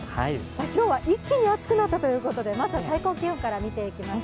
今日は一気に暑くなったということでまずは最高気温を見ていきましょう。